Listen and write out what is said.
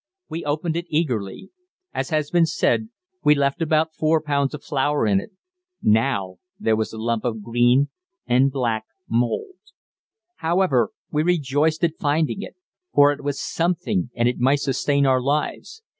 We opened it eagerly. As has been said, we left about four pounds of flour in it. Now there was a lump of green and black mould. However, we rejoiced at finding it; for it was something and it might sustain our lives.